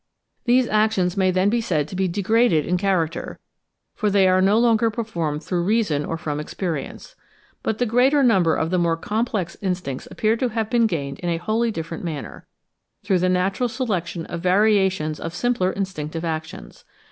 These actions may then be said to be degraded in character, for they are no longer performed through reason or from experience. But the greater number of the more complex instincts appear to have been gained in a wholly different manner, through the natural selection of variations of simpler instinctive actions.